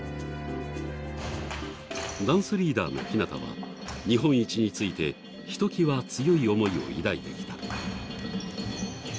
ダンスリーダーのひなたは日本一についてひときわ強い思いを抱いてきた。